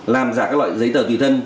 làm giả các loại giấy tờ tùy thân